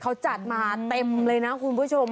เขาจัดมาเต็มเลยนะคุณผู้ชม